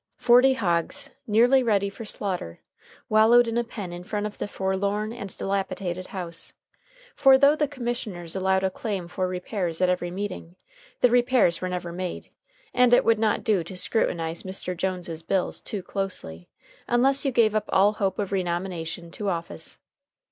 Forty hogs, nearly ready for slaughter, wallowed in a pen in front of the forlorn and dilapidated house; for though the commissioners allowed a claim for repairs at every meeting, the repairs were never made, and it would not do to scrutinize Mr. Jones's bills too closely, unless you gave up all hope of renomination to office.